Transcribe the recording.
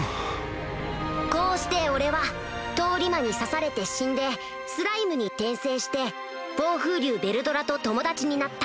こうして俺は通り魔に刺されて死んでスライムに転生して暴風竜ヴェルドラと友達になった。